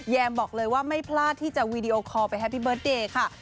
บอกเลยว่าไม่พลาดที่จะวีดีโอคอลไปแฮปปี้เบิร์ตเดย์ค่ะ